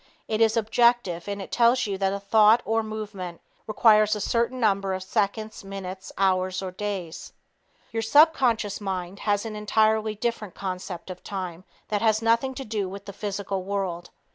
It is objective and tells you that a thought or movement requires a certain number of seconds, minutes, hours or days. Your subconscious mind has an entirely different concept of time that has nothing to do with the physical world.